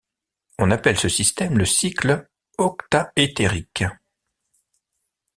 On appelle ce système le cycle octaétérique.